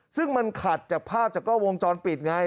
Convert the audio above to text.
ซึ่งมันขัดจากภาพจากกล้องวงจรปิดไง